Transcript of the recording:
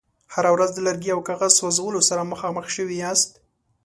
هره ورځ د لرګي او کاغذ سوځولو سره مخامخ شوي یاست.